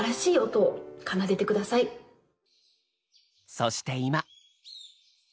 そして今。